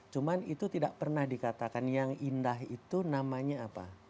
cuma itu tidak pernah dikatakan yang indah itu namanya apa